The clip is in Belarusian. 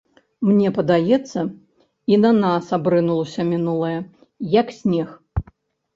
Мне падаецца, і на нас абрынулася мінулае, як снег.